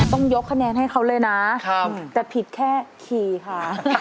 ต้องยกคะแนนให้เขาเลยนะแต่ผิดแค่ขี่ค่ะ